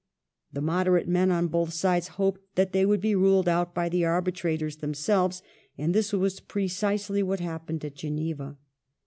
The moderate men on both sides hoped that they would be ruled out by the arbitrators themselves, and this was precisely what happened at Geneva.